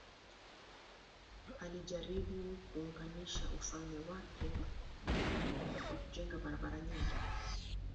Alijaribu kuunganisha ufalme wake mkubwa kwa kujenga barabara nyingi.